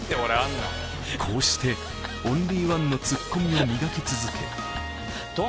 こうしてオンリーワンのツッコミを磨き続け